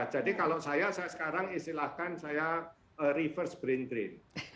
jadi kalau saya sekarang istilahkan saya reverse brain drain